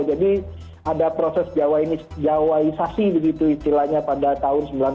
jadi ada proses jauh ini jauhisasi begitu istilahnya pada tahun seribu sembilan ratus delapan puluh an